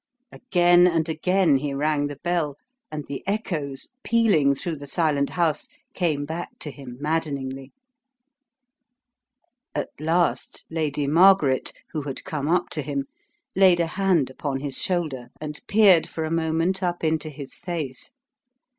Again and again he rang the bell, and the echoes, pealing through the silent house, came back to him maddeningly. At last Lady Margaret, who had come up to him, laid a hand upon his shoulder and peered for a moment up into his face.